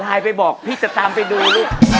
ไปบอกพี่จะตามไปดูลูก